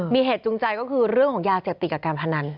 มีเหตุจูงใจก็คือเรื่องของยาเสพติดกับการพนัน